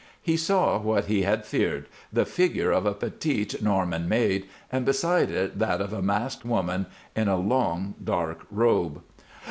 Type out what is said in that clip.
He saw what he had feared the figure of a petite Norman maid, and beside it that of a masked woman in a long, dark robe.